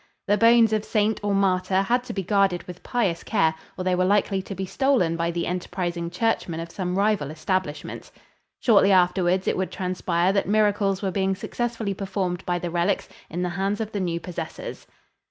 The bones of saint or martyr had to be guarded with pious care or they were likely to be stolen by the enterprising churchmen of some rival establishment. Shortly afterwards, it would transpire that miracles were being successfully performed by the relics in the hands of the new possessors.